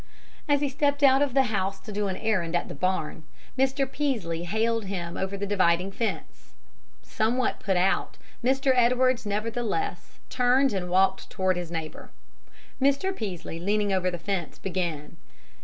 As he stepped out of the house to do an errand at the barn, Mr. Peaslee hailed him over the dividing fence. Somewhat put out, Mr. Edwards nevertheless turned and walked toward his neighbor. Mr. Peaslee, leaning over the fence, began.